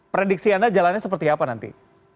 prediksi anda jalannya seperti apa nanti